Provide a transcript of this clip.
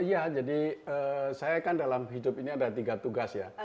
iya jadi saya kan dalam hidup ini ada tiga tugas ya